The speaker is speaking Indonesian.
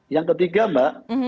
yang ketiga mbak